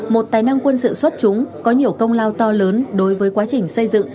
một tài năng quân sự xuất chúng có nhiều công lao to lớn đối với quá trình xây dựng